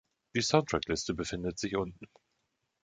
Die Soundtrack-Liste befindet sich unten.